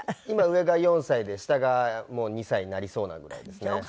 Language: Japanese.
今上が４歳で下がもう２歳になりそうなぐらいですね。